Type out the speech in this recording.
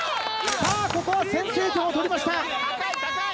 ここは先制点を取りました。